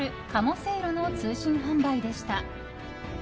せいろの通信販売でした。